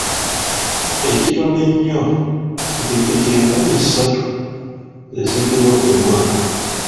Ekitono ennyo ppikipiki enkumi ssatu ze zibbibwa buli mwaka.